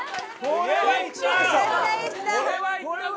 これはいったぞ！